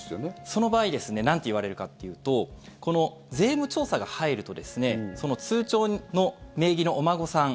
その場合ですねなんて言われるかっていうとこの税務調査が入るとその通帳の名義のお孫さん